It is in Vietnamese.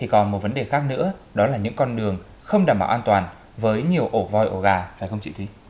còn một vấn đề khác nữa đó là những con đường không đảm bảo an toàn với nhiều ổ voi ổ gà phải không chị thúy